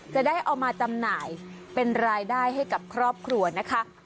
จะได้เอามาจำหน่ายเป็นรายได้ให้กับครอบครัวนะคะ